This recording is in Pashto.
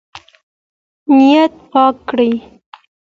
نیت پاک کړئ.